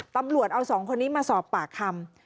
ตำรวจเอา๒คนนี้มาสอบปากคำ